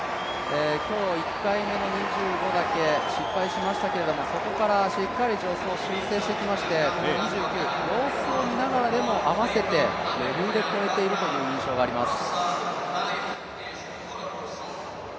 今日、１回目の２５だけ失敗しましたけれども、そこからしっかり助走を修正してきまして、この２９、様子を見ながらでも、合わせて余裕で越えているという印象があります。